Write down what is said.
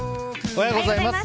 おはようございます。